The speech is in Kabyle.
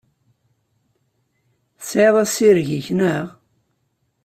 Tesɛiḍ assireg-ik, naɣ?